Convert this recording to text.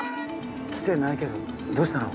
来てないけどどうしたの？